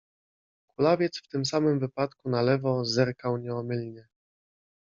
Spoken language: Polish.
Kulawiec w tym samym wypadku na lewo zerkał nieomylnie.